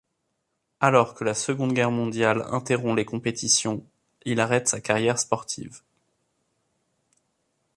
Alors que la Seconde Guerre mondiale interrompt les compétitions, il arrête sa carrière sportive.